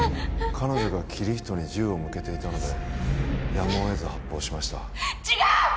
彼女がキリヒトに銃を向けていたのでやむをえず発砲しました違う！